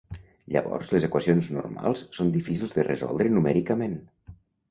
Llavors les equacions normals són difícils de resoldre numèricament.